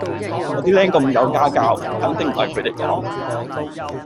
我啲靚咁有家教，肯定唔係佢哋講